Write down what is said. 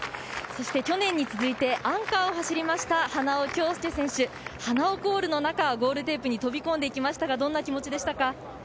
そして去年に続いてアンカーを走りました花尾恭輔選手花尾コールの中ゴールテープに飛び込んでいきましたがどんな気持ちでしたか？